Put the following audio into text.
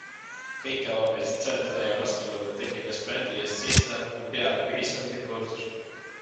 Kõike avameelselt seletada ja vastuolude tekkides brändi eest seista on peaaegu ühiskondlik kohustus.